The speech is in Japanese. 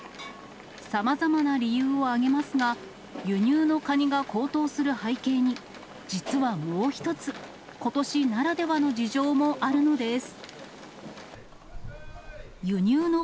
さまざまな理由を挙げますが、輸入のカニが高騰する背景に、実はもう一つ、ことしならではの事情もあるのです。